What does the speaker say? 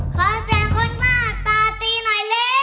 ขอเสียงคนว่าตาตีหน่อยเร็ว